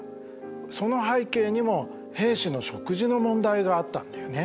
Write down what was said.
その背景にも兵士の食事の問題があったんだよね。